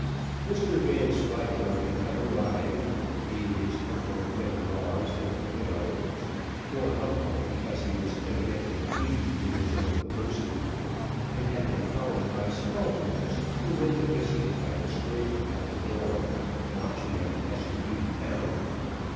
Mr Vanslyperken had arrived, paid his humble devoirs to the widow, more humble, because he was evidently pleased with his own person, and had been followed by Smallbones, who laid the biscuit by the scraper at the door, watching it as in duty bound.